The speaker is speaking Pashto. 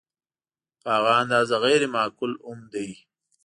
په هغه اندازه غیر معقول هم دی.